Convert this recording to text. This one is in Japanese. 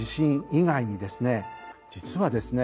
実はですね